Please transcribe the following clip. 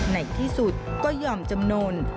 ในที่สุดก็ยอมจำนวน